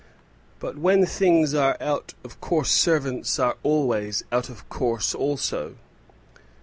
But when things are out of course servants are always out of course also.